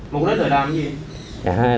một đối tượng làm cái gì